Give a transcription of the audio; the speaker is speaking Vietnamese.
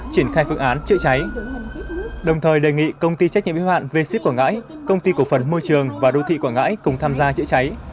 triển khai phương án chữa cháy đồng thời đề nghị công ty trách nhiệm y hoạn v ship quảng ngãi công ty cổ phần môi trường và đô thị quảng ngãi cùng tham gia chữa cháy